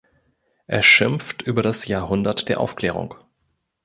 Er schimpft über das Jahrhundert der Aufklärung.